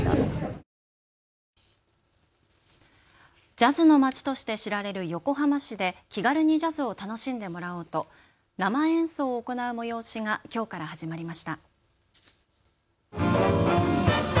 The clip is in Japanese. ジャズの街として知られる横浜市で気軽にジャズを楽しんでもらおうと生演奏を行う催しがきょうから始まりました。